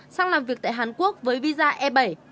sang làm việc tại hàn quốc với visa e bảy